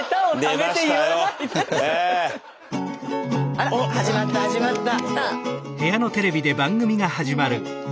あら始まった始まった。